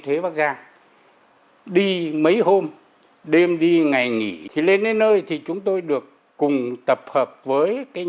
huế bắc giang đi mấy hôm đêm đi ngày nghỉ lên đến nơi chúng tôi được cùng tập hợp với nhà yên ấn